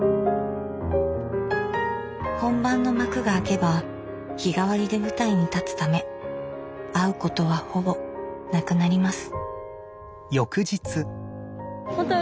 本番の幕が開けば日替わりで舞台に立つため会うことはほぼなくなります。